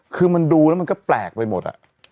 คือมันดูแล้วมันก็แปลกไปหมด